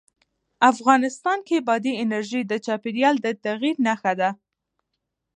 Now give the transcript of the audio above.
افغانستان کې بادي انرژي د چاپېریال د تغیر نښه ده.